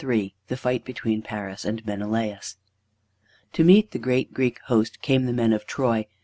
III THE FIGHT BETWEEN PARIS AND MENELAUS To meet the great Greek host came the men of Troy.